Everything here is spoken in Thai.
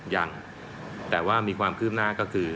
ยังแต่ว่ามีความคืบหน้าก็คือ